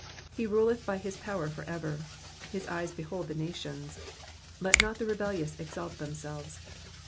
7 He ruleth by his power for ever ; his eyes behold the nations ; let not the rebellious exalt themselves.